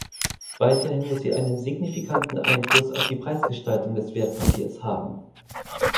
Weiterhin muss sie einen signifikanten Einfluss auf die Preisgestaltung des Wertpapiers haben.